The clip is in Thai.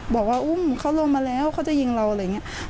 บอกว่าอุ้มเขาลงมาแล้วเขาจะยิงเราอะไรอย่างนี้